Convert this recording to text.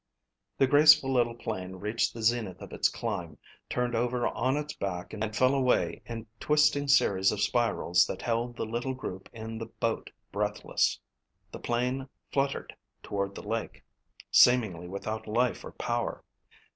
The graceful little plane reached the zenith of its climb, turned over on its back and fell away in twisting series of spirals that held the little group in the boat breathless. The plane fluttered toward the lake, seemingly without life or power.